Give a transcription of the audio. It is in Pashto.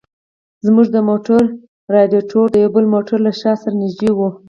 زموږ د موټر رادیاټور د یو بل موټر له شا سره نږدې و.